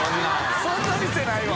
そんな店ないわ。